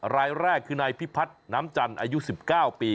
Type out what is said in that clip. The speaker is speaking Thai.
รายแรกคือนายพิพัฒน์น้ำจันทร์อายุ๑๙ปี